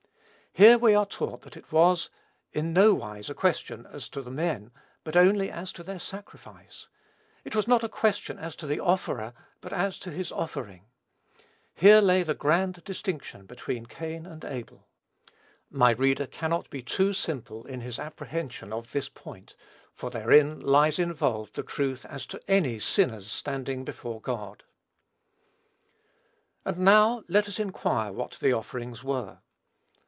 Here we are taught that it was, in nowise, a question as to the men, but only as to their "sacrifice," it was not a question as to the offerer, but as to his offering. Here lay the grand distinction between Cain and Abel. My reader cannot be too simple in his apprehension of this point, for therein lies involved the truth as to any sinner's standing before God. And, now, let us inquire what the offerings were.